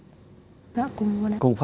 dạ cùng luôn ạ